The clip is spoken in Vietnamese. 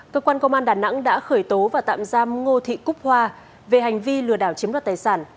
cơ quan công an đà nẵng đã khởi tố và tạm giam ngô thị cúc hoa về hành vi lừa đảo chiếm đoạt tài sản